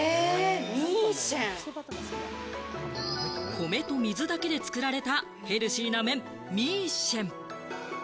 米と水だけで作られたヘルシーな麺・ミーシェン。